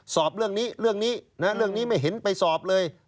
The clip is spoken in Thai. สอบเรื่องนี้เรื่องนี้เรื่องนี้ไม่เห็นไปสอบเลย